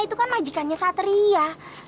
itu kan majikannya satria